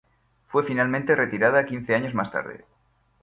Fue finalmente retirada quince años más tarde.